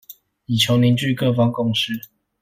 以求凝聚各方共識